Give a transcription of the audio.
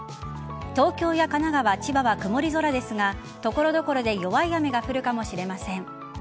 東京や神奈川、千葉は曇り空ですが所々で弱い雨が降るかもしれません。